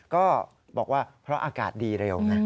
ก็บอกว่าเพราะอากาศดีเร็วไง